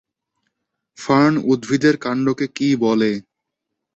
Fern উদ্ভিদের কান্ডকে কী বলে?